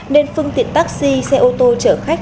nên phương tiện taxi xe ô tô chở khách